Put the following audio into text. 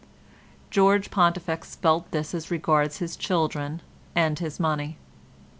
George Pontifex felt this as regards his children and his money.